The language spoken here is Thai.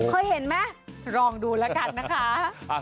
ค่อยเห็นมั้ยลองดูละกันนะคะ